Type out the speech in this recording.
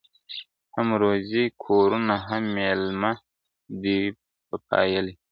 هم روزي کورونه هم مېلمه دی په پاللی ..